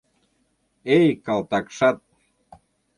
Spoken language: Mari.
Эй, калтакшат!..